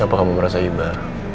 apa kamu merasa iba